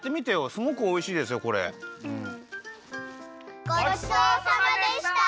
ごちそうさまでした！